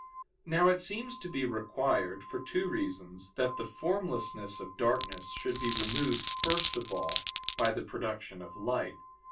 Now it seems to be required, for two reasons, that the formlessness of darkness should be removed first of all by the production of light.